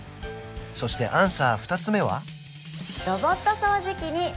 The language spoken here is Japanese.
そしてアンサー２つ目は？